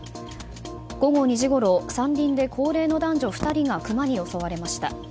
午後２時ごろ山林で高齢の男女２人がクマに襲われました。